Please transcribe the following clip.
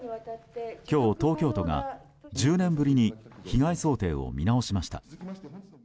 今日、東京都が１０年ぶりに被害想定を見直しました。